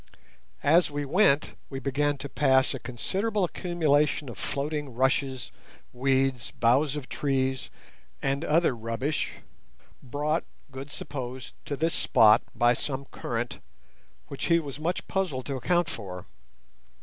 As we went we began to pass a considerable accumulation of floating rushes, weed, boughs of trees, and other rubbish, brought, Good supposed, to this spot by some current, which he was much puzzled to account for.